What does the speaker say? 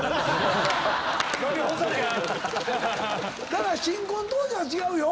ただ新婚当時は違うよ。